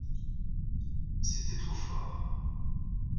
C'était trop fort.